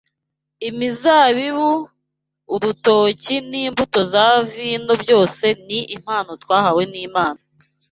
Imizabibu [urutoki] n’imbuto za vino byose ni impano twahawe n’Imana